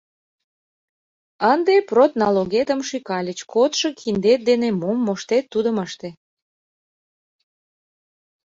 Ынде продналогетым шӱкальыч — кодшо киндет дене мом моштет, тудым ыште.